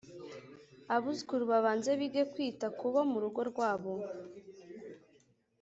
Abuzukuru babanze bige kwita ku bo mu rugo rwabo.